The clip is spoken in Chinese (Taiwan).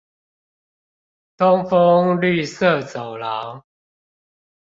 東豐綠色走廊